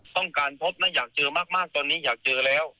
ต้องการพบนะอยากเจอมากตอนนี้อยากเจอแล้ว